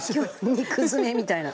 肉詰めみたいな。